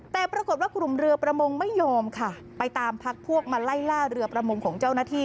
แต่ปรากฏว่ากลุ่มเรือประมงไม่ยอมค่ะไปตามพักพวกมาไล่ล่าเรือประมงของเจ้าหน้าที่